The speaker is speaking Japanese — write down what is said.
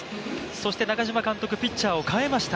そして中嶋監督、ピッチャーを代えました。